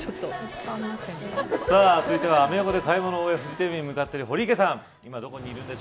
続いてはアメ横で買い物を終えてフジテレビに向かっている堀池さんです。